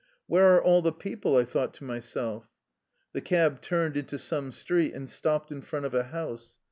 Where are all the people? '' I thought to myself. The cab turned into some street, and stopped in front of a house.